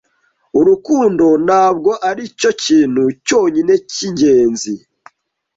Urukundo ntabwo aricyo kintu cyonyine cyingenzi